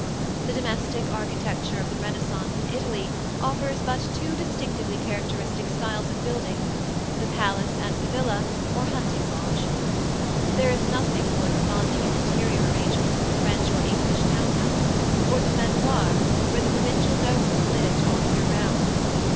The domestic architecture of the Renaissance in Italy offers but two distinctively characteristic styles of building: the palace and the villa or hunting lodge. There is nothing corresponding in interior arrangements with the French or English town house, or the manoir where the provincial nobles lived all the year round.